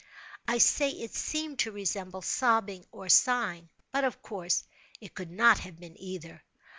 I say it seemed to resemble sobbing or sighing—but, of course, it could not have been either.